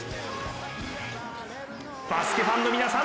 バスケファンの皆さん